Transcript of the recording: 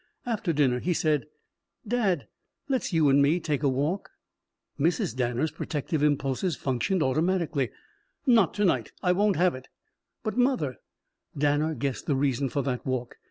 After dinner he said: "Dad, let's you and me take a walk." Mrs. Danner's protective impulses functioned automatically. "Not to night. I won't have it." "But, mother " Danner guessed the reason for that walk.